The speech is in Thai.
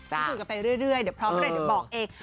ก็คุยกันไปเรื่อยเดี๋ยวพร้อมเรียนเดี๋ยวบอกเอง